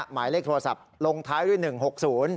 หมายเลขโทรศัพท์ลงท้ายด้วย๑๖๐